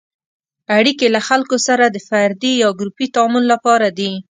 اړیکې له خلکو سره د فردي یا ګروپي تعامل لپاره دي.